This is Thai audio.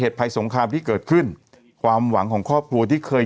ภัยสงครามที่เกิดขึ้นความหวังของครอบครัวที่เคย